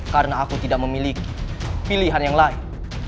karena aku tidak memiliki pilihan yang lain